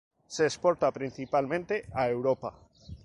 Se exporta principalmente a Europa.